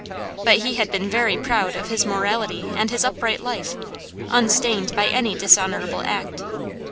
But he had been very proud of his morality and his upright life, unstained by any dishonorable act.